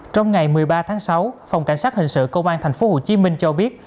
trong ngày một mươi ba tháng sáu phòng cảnh sát hình sự công an tp hcm cho biết